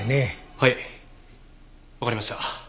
はいわかりました。